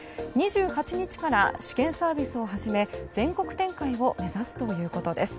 ２８日から試験サービスを始め全国展開を目指すということです。